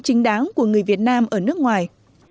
chính đáng của người việt nam ở nước ngoài